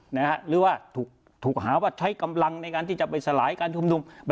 หรือว่าถูกหาว่าใช้กำลังในการที่จะไปสลายการชุมนุม